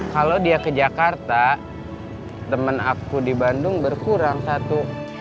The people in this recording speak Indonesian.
kalau dia ke jakarta temen aku di bandung berkurang satu